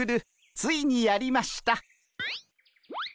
ついにやりました。